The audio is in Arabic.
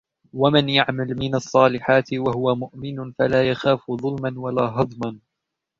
وَمَنْ يَعْمَلْ مِنَ الصَّالِحَاتِ وَهُوَ مُؤْمِنٌ فَلَا يَخَافُ ظُلْمًا وَلَا هَضْمًا